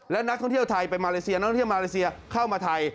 และนักท่องเที่ยวไทยไปมาเลเซียนักท่องเที่ยวมาเลเซียเข้ามาไทย